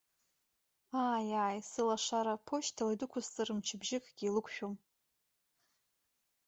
Ааи, ааи, сылашара, ԥошьҭала идәықәсҵар, мчыбжьыкгьы илықәшәом!